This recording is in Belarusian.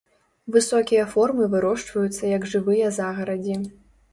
Высокія формы вырошчваюцца як жывыя загарадзі.